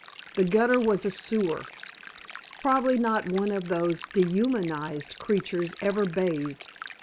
The gutter was a sewer. Probably not one of those dehumanized creatures ever bathed.